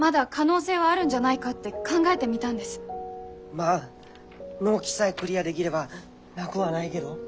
まあ納期さえクリアでぎればなぐはないげど。